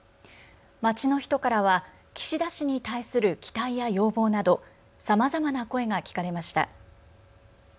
街の人からは岸田氏に対する期待や要望など、さまざまな声が聞かれました。